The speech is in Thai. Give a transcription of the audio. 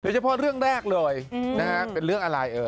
โดยเฉพาะเรื่องแรกเลยเป็นเรื่องอะไร